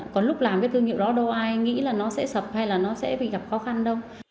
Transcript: còn lúc làm cái thương hiệu đó đâu ai nghĩ là nó sẽ sập hay là nó sẽ bị gặp khó khăn đâu